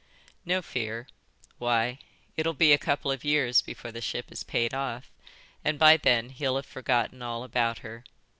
"No fear. Why, it'll be a couple of years before the ship is paid off, and by then he'll have forgotten all about her.